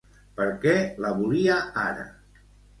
Per què la volia ara?